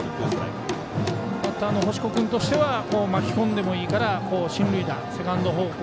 バッターの星子君としては巻き込んでもいいから進塁打、セカンド方向